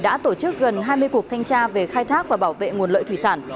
đã tổ chức gần hai mươi cuộc thanh tra về khai thác và bảo vệ nguồn lợi thủy sản